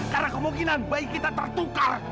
karena kemungkinan bayi kita tertukar